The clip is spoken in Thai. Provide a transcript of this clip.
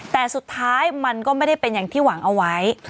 แต่สุดท้ายมันก็ไม่ได้เป็นอย่างที่หวังเอาไว้